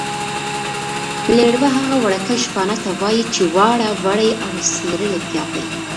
لېربه هغه وړکي شپانه ته وايي چې واړه وري او سېرلی پیایي.